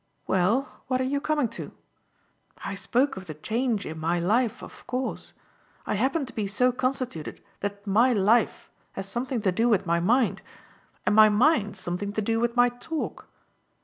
"Well, what are you coming to? I spoke of the change in my life of course; I happen to be so constituted that my life has something to do with my mind and my mind something to do with my talk.